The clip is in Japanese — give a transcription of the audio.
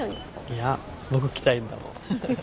いや僕来たいんだもん。